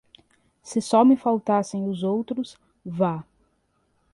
Se só me faltassem os outros, vá